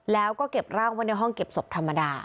แล้วก็เก็บร่างไว้ในห้องเก็บศพธรรมดา